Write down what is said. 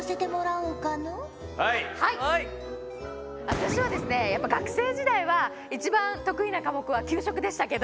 私はですねやっぱ学生時代は一番得意な科目は給食でしたけど。